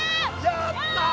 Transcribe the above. やった！